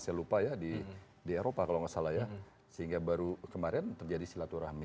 saya lupa ya di eropa kalau nggak salah ya sehingga baru kemarin terjadi silaturahmi